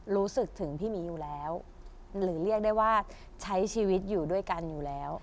รู้สึกถึงพี่หมีอยู่แล้วหรือเรียกได้ว่าใช้ชีวิตอยู่ด้วยกันอยู่แล้ว